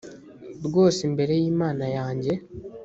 rwose imbere y imana yanjye